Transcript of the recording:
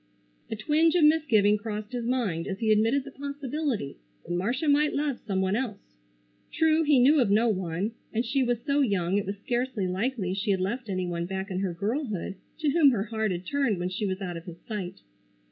A twinge of misgiving crossed his mind as he admitted the possibility that Marcia might love some one else. True, he knew of no one, and she was so young it was scarcely likely she had left any one back in her girlhood to whom her heart had turned when she was out of his sight.